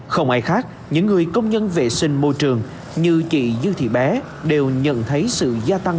không ai khác những người công nhân vệ sinh môi trường như chị dư thị bé đều nhận thấy sự gia tăng